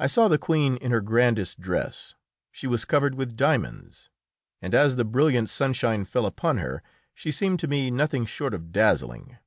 I saw the Queen in her grandest dress; she was covered with diamonds, and as the brilliant sunshine fell upon her she seemed to me nothing short of dazzling.